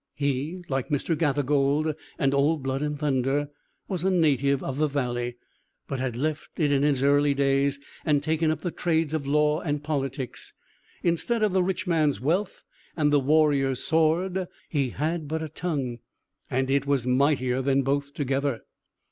He, like Mr. Gathergold and Old Blood and Thunder, was a native of the valley, but had left it in his early days, and taken up the trades of law and politics. Instead of the rich man's wealth and the warrior's sword, he had but a tongue, and it was mightier than both together.